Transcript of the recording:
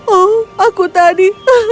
oh aku tadi